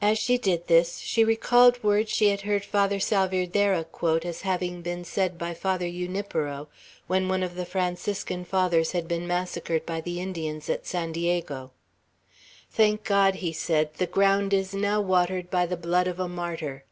As she did this, she recalled words she had heard Father Salvierderra quote as having been said by Father Junipero, when one of the Franciscan Fathers had been massacred by the Indians, at San Diego. "Thank God." he said, "the ground is now watered by the blood of a martyr!"